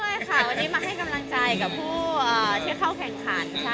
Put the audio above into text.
ใช่ค่ะวันนี้มาให้กำลังใจกับผู้ที่เข้าแข่งขันค่ะ